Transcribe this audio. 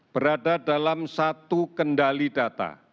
berada dalam satu kendali data